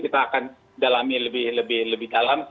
kita akan dalami lebih dalam